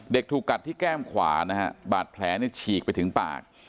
เด็กถูกกัดที่แก้มขวานะฮะบาดแผลฉีกไปถึงปาก